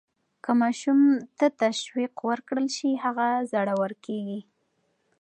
که ماشوم ته تشویق ورکړل شي، هغه زړور کیږي.